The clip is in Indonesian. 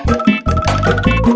satu dompet aja